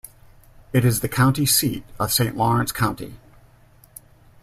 It is the county seat of Saint Lawrence County.